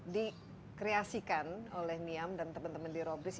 nah niam ini salah satu dari produk yang dikreasikan oleh niam dan teman teman di robris ya